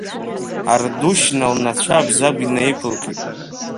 Ардушьна лнацәа Абзагә инаиқәылкит.